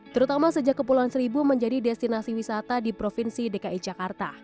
terutama sejak kepulauan seribu menjadi destinasi wisata di provinsi dki jakarta